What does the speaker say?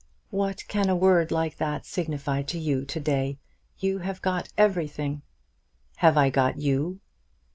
"What can a word like that signify to you to day? You have got everything." "Have I got you?"